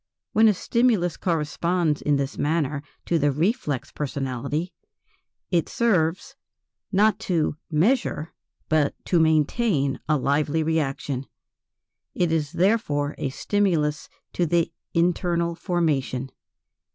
When a stimulus corresponds in this manner to the "reflex personality," it serves, not to measure but to maintain a lively reaction; it is therefore a stimulus to the "internal formation."